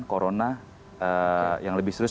corona yang lebih serius